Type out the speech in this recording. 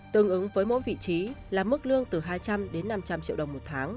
tương ứng với mỗi vị trí là mức lương từ hai trăm linh đến năm trăm linh triệu đồng một tháng